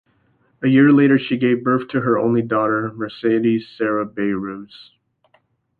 A year later she gave birth to her only daughter, Mercedes Sarrabayrouse.